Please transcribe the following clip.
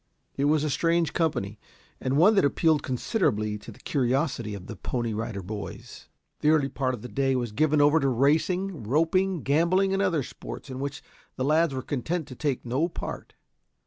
It was a strange company, and one that appealed considerably to the curiosity of the Pony Rider Boys. The early part of the day was given over to racing, roping, gambling and other sports in which the lads were content to take no part.